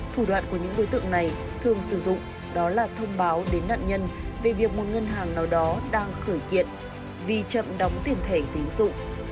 thủ đoạn của những đối tượng này thường sử dụng đó là thông báo đến nạn nhân về việc một ngân hàng nào đó đang khởi kiện vì chậm đóng tiền thẻ tiến dụng